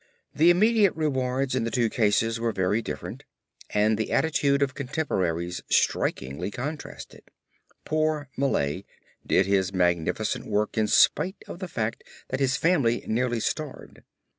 The immediate rewards in the two cases were very different and the attitude of contemporaries strikingly contrasted. Poor Millet did his magnificent work in spite of the fact that his family nearly starved.